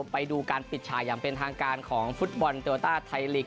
ไปดูการปิดฉายังเป็นทางการของฟุตบอลเตวาต้าไทยหลีก๑